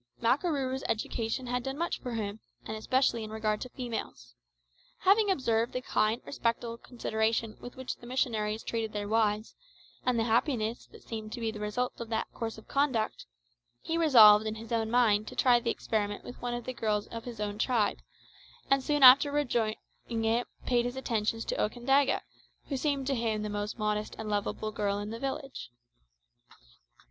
Makarooroo's education had done much for him, and especially in regard to females. Having observed the kind, respectful consideration with which the missionaries treated their wives, and the happiness that seemed to be the result of that course of conduct, he resolved in his own mind to try the experiment with one of the girls of his own tribe, and soon after rejoining it paid his attentions to Okandaga, who seemed to him the most modest and lovable girl in the village.